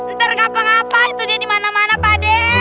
ntar ngapa ngapa itu dia di mana mana pak dek